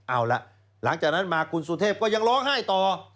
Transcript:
เอาละหลังจากนั้นมาคุณสุเทพก็ยังร้องไห้ต่อ